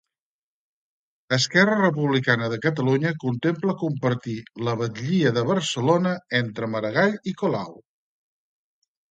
Esquerra Republicana de Catalunya contempla compartir la batllia de Barcelona entre Maragall i Colau